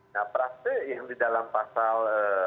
nah praktek yang di dalam pasal